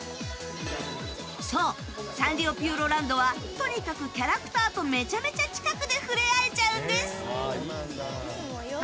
そう、サンリオピューロランドはとにかくキャラクターとめちゃめちゃ近くで触れ合えちゃうんです。